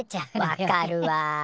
わかるわ。